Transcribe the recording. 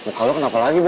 muka lo kenapa lagi bu